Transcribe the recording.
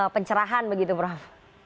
pencerahan begitu prof